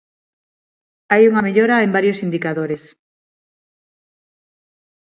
Hai unha mellora en varios indicadores.